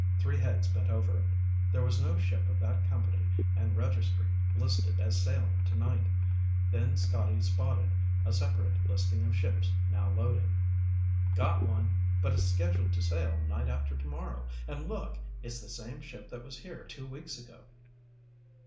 Three heads bent over it. There was no ship of that company and registry listed as sailing tonight. Then Scotty spotted a separate listing of ships now loading. "Got one! But it's scheduled to sail night after tomorrow. And look! It's the same ship that was here two weeks ago!"